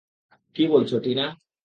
কি বলছ টিনা?